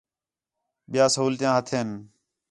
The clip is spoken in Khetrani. ٻِیا سہولتیاں ہتھین